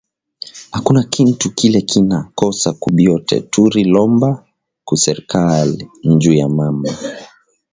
Akuna kintu kile kina kosa ku byote turi lomba ku serkali nju ya mama